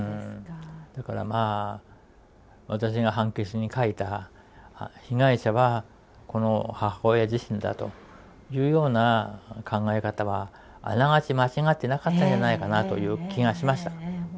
だから私が判決に書いた「被害者はこの母親自身だ」というような考え方はあながち間違ってなかったんじゃないかなという気がしました。